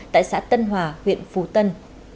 tại xã tân hòa huyện phú tân